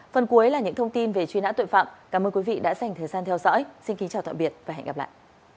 phần cuối là những thông tin về truy nã tội phạm cảm ơn quý vị đã dành thời gian theo dõi xin kính chào tạm biệt và hẹn gặp lại